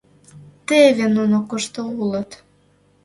Теве нуно кушто улыт!